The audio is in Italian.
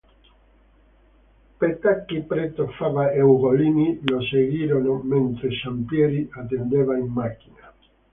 Petacchi, Preto, Fava e Ugolini lo seguirono, mentre Zampieri attendeva in macchina.